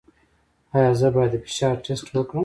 ایا زه باید د فشار ټسټ وکړم؟